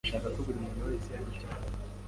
ashaka ko buri muntu wese agira icyo akora